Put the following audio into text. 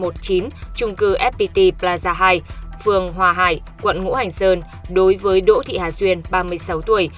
trung cư fpt plaza hai phường hòa hải quận ngũ hành sơn đối với đỗ thị hà duyên ba mươi sáu tuổi